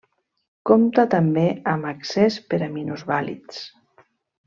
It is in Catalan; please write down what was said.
Compta també amb accés per a minusvàlids.